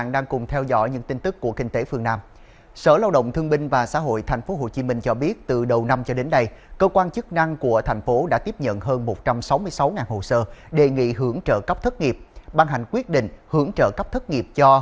so với năm hai nghìn hai mươi hai số lao động nghỉ việc và nộp hồ sơ đề nghị hưởng trợ cấp thất nghiệp tăng một mươi ba trăm hai mươi ba trường hợp tăng chín bảy mươi bốn